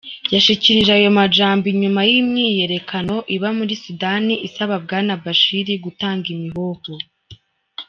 Yashikirije ayo majambo inyuma y'imyirekano iba muri Sudani isaba Bwana Bashir gutanga imihoho.